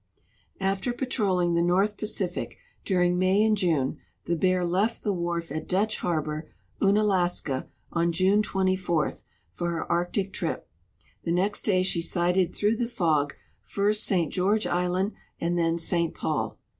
After }»atrolling the North Pacific during IMay and June the Bear left the wharf at Dutch harbor, Unalaska, on June 24 for her Arctic trip. The next day she sighted through the fog first St. George island and then St. Paul.